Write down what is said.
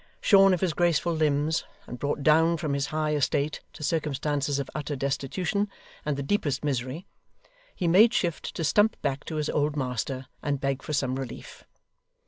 Shorn of his graceful limbs, and brought down from his high estate to circumstances of utter destitution, and the deepest misery, he made shift to stump back to his old master, and beg for some relief.